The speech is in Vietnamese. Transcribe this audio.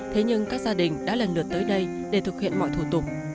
thế nhưng các gia đình đã lần lượt tới đây để thực hiện mọi thủ tục